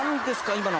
今の。